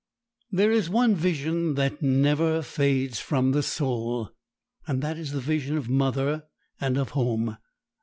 There is one vision that never fades from the soul, and that is the vision of mother and of home.